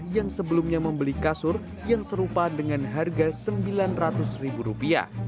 yang sebelumnya membeli kasur yang serupa dengan harga rp sembilan ratus